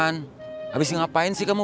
ya selama gitu